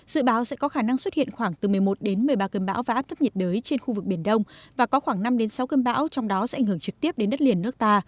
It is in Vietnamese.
dự báo sẽ có khả năng xuất hiện khoảng từ một mươi một đến một mươi ba cơn bão và áp thấp nhiệt đới trên khu vực biển đông và có khoảng năm đến sáu cơn bão trong đó sẽ ảnh hưởng trực tiếp đến đất liền nước ta